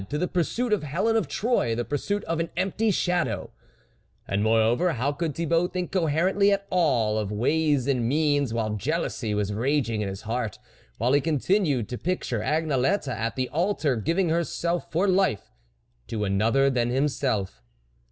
to the pursuit of Helen of Troy, the pursuit of an empty shadow ! And, moreover, how could Thibault think coherently at all of ways and means while jealousy was raging in his heart, while he continued to picture Agnelette at the altar, giving herself for life to another than himself.